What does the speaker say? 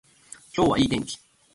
今日はいい天気